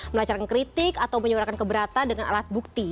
melancarkan kritik atau menyuarakan keberatan dengan alat bukti